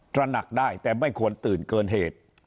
ระหนักได้แต่ไม่ควรตื่นเกินเหตุ